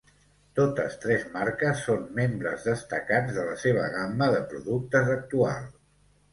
Totes tres marques són membres destacats de la seva gamma de productes actual.